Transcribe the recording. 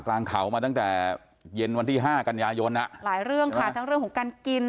กลางเขามาตั้งแต่เย็นวันที่ห้ากันยายนอ่ะหลายเรื่องค่ะทั้งเรื่องของการกิน